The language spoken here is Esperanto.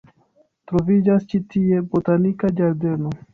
Troviĝas ĉi tie botanika ĝardeno.